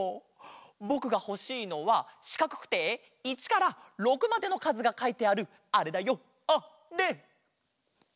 ぼくがほしいのはしかくくて１から６までのかずがかいてあるあれだよあれ！